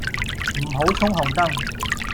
唔好衝紅燈